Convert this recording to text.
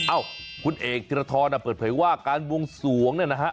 เอ้าคุณเอกธิรทรเปิดเผยว่าการบวงสวงเนี่ยนะฮะ